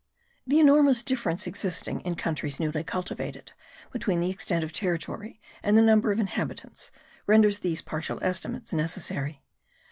The enormous difference existing, in countries newly cultivated, between the extent of territory and the number of inhabitants, renders these partial estimates necessary.